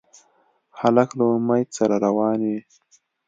هلک له امید سره روان وي.